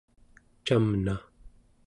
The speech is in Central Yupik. camna